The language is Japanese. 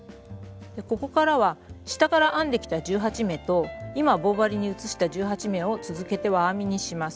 ここからは下から編んできた１８目と今棒針に移した１８目を続けて輪編みにします。